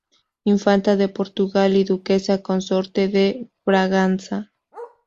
Infanta de Portugal y duquesa consorte de Braganza.